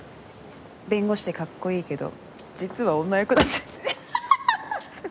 弁護士でかっこいいけど実は女役だってハハハ。